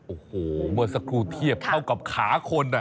โอ้โหเมื่อสักครู่เทียบเท่ากับขาคน